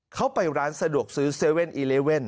เขาไปร้านสะดวกซื้อ๗๑๑